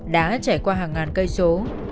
đã trải qua hàng ngàn cây số